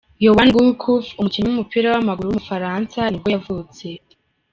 Yoann Gourcuff, umukinnyi w’umupira w’amaguru w’umufaransa nibwo yavutse.